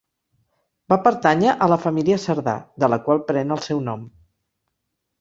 Va pertànyer a la família Cerdà, de la qual pren el seu nom.